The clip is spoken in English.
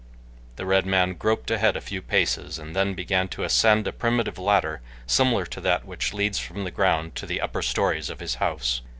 The red man groped ahead a few paces and then began to ascend a primitive ladder similar to that which leads from the ground to the upper stories of his house.